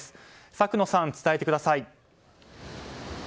作野さん、伝えてください。